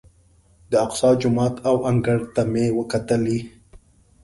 د اقصی جومات او انګړ ته مې وکتلې.